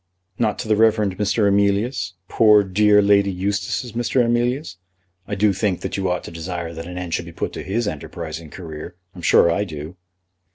"Not to the Reverend Mr. Emilius; poor dear Lady Eustace's Mr. Emilius? I do think that you ought to desire that an end should be put to his enterprising career! I'm sure I do."